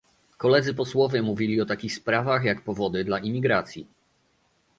Koledzy posłowie mówili o takich sprawach jak powody dla imigracji